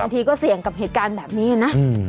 บางทีก็เศียงภาพเหตุการณ์แบบนี้เนี่ยนะ